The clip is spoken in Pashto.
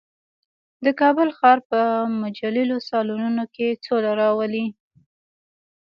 د کابل ښار په مجللو سالونونو کې سوله راولي.